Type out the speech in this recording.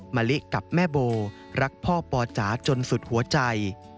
มะลิกับแม่โบรักพ่อปอจ๋าจนสุดหัวใจ